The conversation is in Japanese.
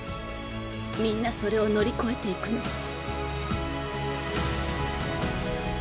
みんなそれを乗り越えていくの。